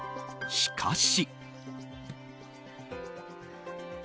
しかし。